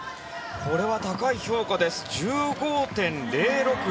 これは高い評価です。１５．０６６。